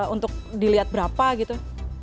untuk dilihat berapa gitu